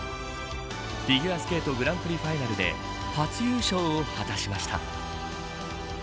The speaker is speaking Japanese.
フィギュアスケートグランプリファイナルで初優勝を果たしました。